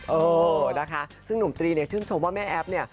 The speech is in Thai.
เออนะคะซึ่งหนุ่มตรีเนี่ยชื่นชมว่าแม่แอฟเนี่ย